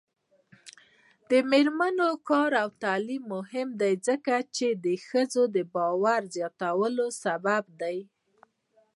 د میرمنو کار او تعلیم مهم دی ځکه چې ښځو باور زیاتولو سبب دی.